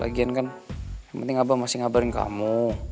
lagian kan yang penting abah masih ngabarin kamu